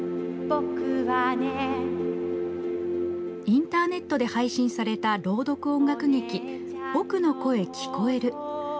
インターネットで配信された朗読音楽劇「ぼくの声きこえる？」。